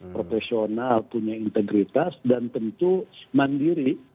profesional punya integritas dan tentu mandiri